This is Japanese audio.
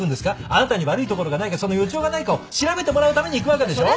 あなたに悪いところがないかその予兆がないかを調べてもらうために行くわけでしょ？